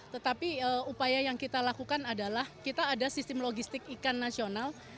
tetapi upaya yang kita lakukan adalah kita ada sistem logistik ikan nasional